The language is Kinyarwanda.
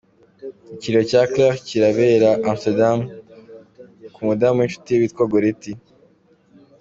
Ikiriyo cya Claire kirabera Amsterdam ku mudamu w’incuti ye witwa Goretti.